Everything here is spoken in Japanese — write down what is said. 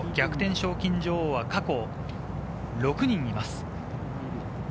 賞金女王は過去６人います。